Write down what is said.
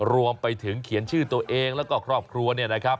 รวมไปถึงเขียนชื่อตัวเองแล้วก็ครอบครัวเนี่ยนะครับ